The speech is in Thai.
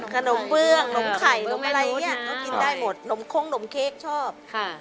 ขนมเบื้องนมไข่นมอะไรเนี่ยกินได้หมดนมโค้งนมเค้กชอบ